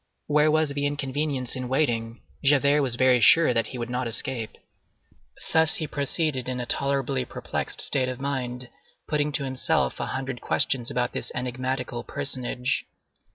Where was the inconvenience in waiting? Javert was very sure that he would not escape. Thus he proceeded in a tolerably perplexed state of mind, putting to himself a hundred questions about this enigmatical personage.